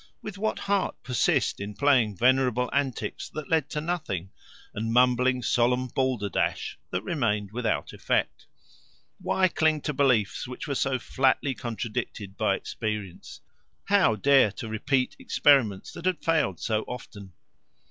With what heart persist in playing venerable antics that led to nothing, and mumbling solemn balderdash that remained without effect? Why cling to beliefs which were so flatly contradicted by experience? How dare to repeat experiments that had failed so often?